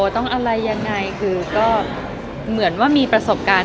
ต้องอะไรยังไงคือก็เหมือนว่ามีประสบการณ์